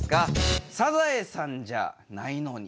「サザエさんじゃないのに」。